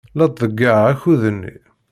La ttḍeyyiɛeɣ akud-inu.